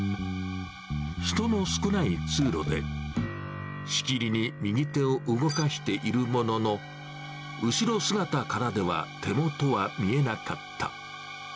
人の少ない通路で、仕切りに右手を動かしているものの、後ろ姿からでは手元は見えなかった。